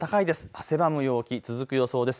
汗ばむ陽気、続く予想です。